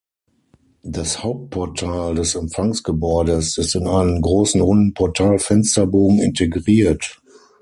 Das Hauptportal des Empfangsgebäudes ist in einen großen runden Portal-Fenster-Bogen integriert.